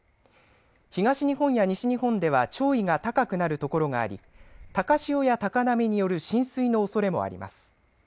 東日本や西日本では潮位が高くなるところがあり高潮や高波による浸水のおそれもあります。